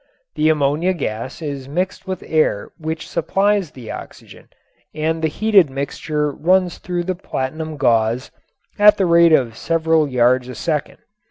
The ammonia gas is mixed with air which supplies the oxygen and the heated mixture run through the platinum gauze at the rate of several yards a second.